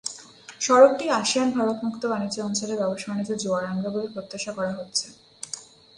সড়কটি আসিয়ান-ভারত মুক্ত বাণিজ্য অঞ্চলে ব্যবসা-বাণিজ্যে জোয়ার আনবে বলে প্রত্যাশা করা হচ্ছে।